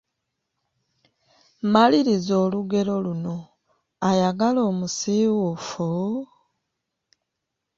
Maliriza olugero luno: Ayagala omusiiwuufu, …..